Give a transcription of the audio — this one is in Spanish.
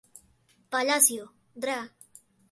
Palacio, Dra.